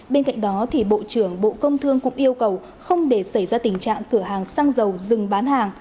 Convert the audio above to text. bên cạnh đó bộ trưởng bộ công thương cũng yêu cầu không để xảy ra tình trạng cửa hàng xăng dầu dừng bán hàng